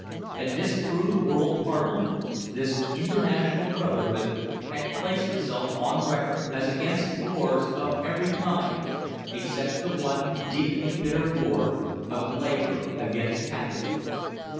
And this crude world parliament, this international brotherhood, had placed itself on record as against wars of every kind, except the one deepening bitter war of labor against capital.